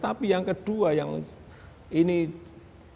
jadi yang kedua yang ini justru lebih penting adalah juga kegiatan